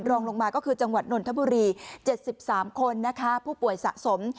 รองลงมาก็คือจังหวัดนนทบุรี๗๓คนนะคะผู้ป่วยสะสม